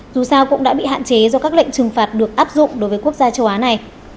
dù sao cũng đã bị hạn chế do các lệnh trừng phạt được áp dụng đối với quốc gia châu á này